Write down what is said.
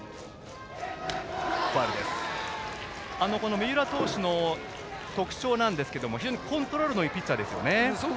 三浦投手の特徴なんですけどもコントロールのいいピッチャーですね。